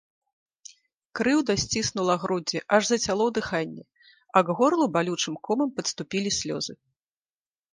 Крыўда сціснула грудзі, аж зацяло дыханне, а к горлу балючым комам падступілі слёзы.